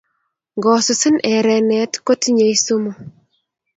Ngosusin erenet kotinyei sumu